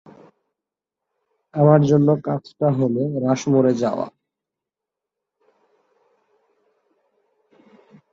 আমার জন্য কাজটা হল রাশমোরে যাওয়া।